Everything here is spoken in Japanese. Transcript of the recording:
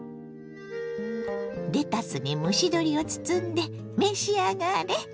レタスに蒸し鶏を包んで召し上がれ。